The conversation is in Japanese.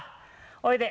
おいで。